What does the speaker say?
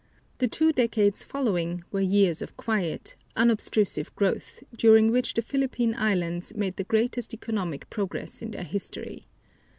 The two decades following were years of quiet, unobtrusive growth, during which the Philippine Islands made the greatest economic progress in their history.